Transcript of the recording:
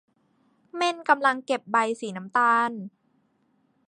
เม่นกำลังเก็บใบสีน้ำตาล